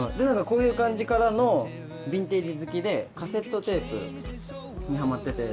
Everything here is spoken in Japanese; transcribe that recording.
こういう感じからのヴィンテージ好きでカセットテープにハマってて。